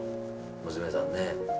娘さんね。